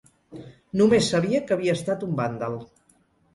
Només sabia que havia estat un vàndal.